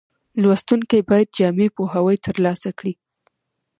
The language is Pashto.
لوستونکي باید جامع پوهاوی ترلاسه کړي.